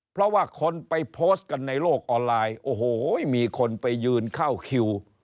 เพราะว่าคนไปโพสต์กันในโลกออนไลน์โอ้โหมีคนไปยืนเข้าคิว